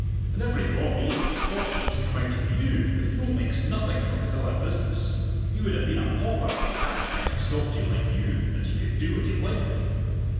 And every bawbee of his fortune has come out of you the fool makes nothing from his other business he would have been a pauper if he hadn't met a softie like you that he could do what he liked with.